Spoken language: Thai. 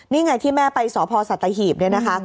นี่ไงที่แม่ไปสพสัตหีบเนี่ยนะคะ